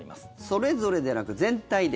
それぞれではなく全体で。